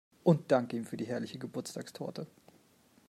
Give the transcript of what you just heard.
Und dank ihm für die herrliche Geburtstagstorte.